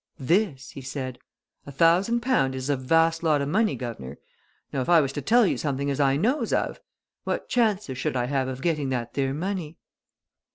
"This!" he said. "A thousand pound is a vast lot o' money, guv'nor! Now, if I was to tell something as I knows of, what chances should I have of getting that there money?"